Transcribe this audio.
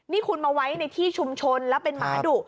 นี่คุณมาไว้ในที่ชุมชนแล้วเป็นหมาดุ